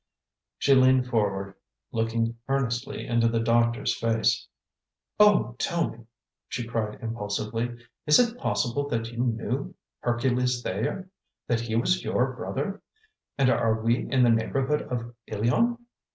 She leaned forward, looking earnestly into the doctor's face. "Oh, tell me," she cried impulsively, "is it possible that you knew Hercules Thayer? That he was your brother? And are we in the neighborhood of Ilion?"